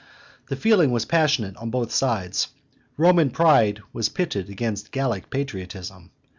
The feeling was passionate on both sides: Roman pride was pitted against Gallic patriotism.